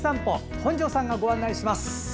本庄さんがご案内します。